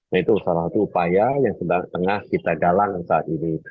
nah itu salah satu upaya yang tengah kita galang saat ini